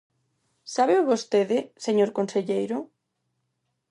¿Sábeo vostede, señor conselleiro?